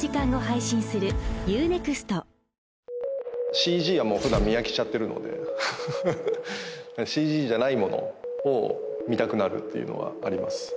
ＣＧはもう普段見飽きちゃってるのでＣＧじゃないものを見たくなるっていうのはあります